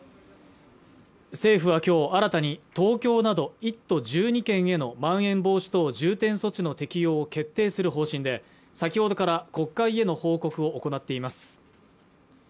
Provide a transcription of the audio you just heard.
政府はきょう新たに東京など１都１２県へのまん延防止等重点措置の適用を決定する方針で先ほどから国会への報告を行っています